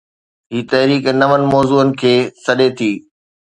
هي ’تحريڪ‘ نون موضوعن کي سڏي ٿي.